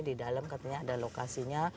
di dalam katanya ada lokasinya